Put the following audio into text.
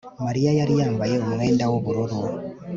Mariya yari yambaye umwenda wubururu